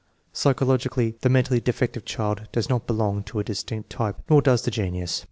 Psychologically, the mentally defective child does not belong to a distinct type, nor does the genius.